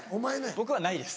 僕はないです